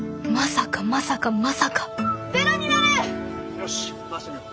よし回してみよう。